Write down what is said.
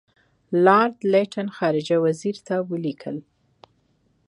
لارډ لیټن خارجه وزیر ته ولیکل.